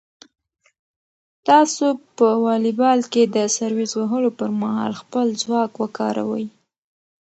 تاسو په واليبال کې د سرویس وهلو پر مهال خپل ځواک وکاروئ.